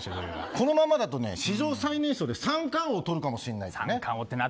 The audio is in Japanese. このままだと史上最年少で三冠王を取るかもしれない。